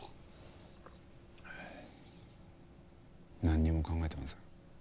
なんにも考えてません。